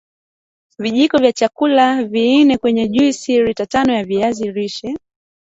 Vijiko vya chakula nne kwenye juisi lita tano ya viazi lishe